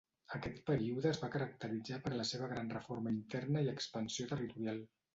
Aquest període es va caracteritzar per la seva gran reforma interna i expansió territorial.